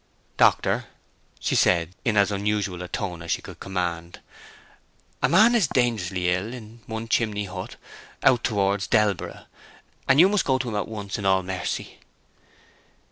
"Doctor," she said, in as unusual a tone as she could command, "a man is dangerously ill in One chimney Hut, out towards Delborough, and you must go to him at once—in all mercy!"